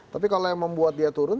tapi kalau yang membuat dia turun